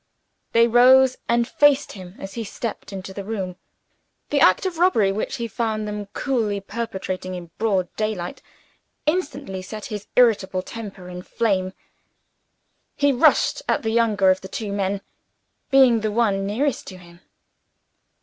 They rose and faced him as he stepped into the room. The act of robbery which he found them coolly perpetrating in broad daylight, instantly set his irritable temper in a flame. He rushed at the younger of the two men being the one nearest to him.